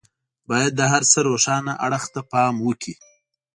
بايد د هر څه روښانه اړخ ته پام وکړي.